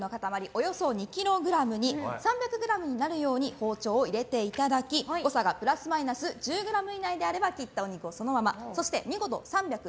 およそ２ｋｇに３００ｇになるように包丁を入れていただき誤差がプラスマイナス１０ｇ以内であれば切ったお肉をそのままそして見事３００